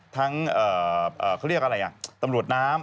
ทั้งเขาเรียกอะไรตำรวจน้ำ